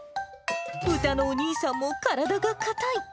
歌のお兄さんも体が硬い。